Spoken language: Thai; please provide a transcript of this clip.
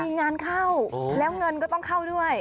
มีงานเข้าแล้วเงินก็ต้องเข้าด้วย